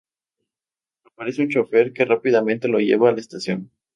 Aparece un chófer que rápidamente lo lleva a la estación.